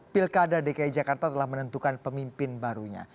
pilkada dki jakarta telah menentukan pemimpin barunya